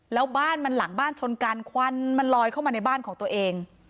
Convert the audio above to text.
แล้วบ้านมันหลังบ้านชนกันควันมันลอยเข้ามาในบ้านของตัวเอง